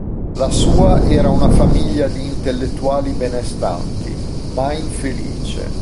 La sua era una famiglia di intellettuali benestanti, ma infelice.